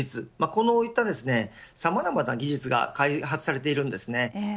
こういったさまざまな技術が開発されているんですね。